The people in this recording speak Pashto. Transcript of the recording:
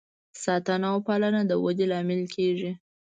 ساتنه او پالنه د ودې لامل کیږي.